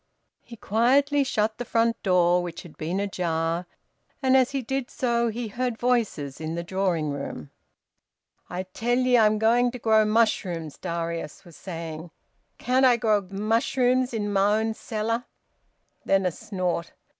He quietly shut the front door, which had been ajar, and as he did so he heard voices in the drawing room. "I tell ye I'm going to grow mushrooms," Darius was saying. "Can't I grow mushrooms in my own cellar?" Then a snort.